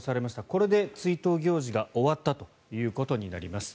これで追悼行事が終わったということになります。